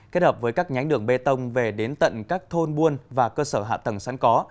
kết hợp với các nhánh đường bê tông về đến tận các thôn buôn và cơ sở hạ tầng sẵn có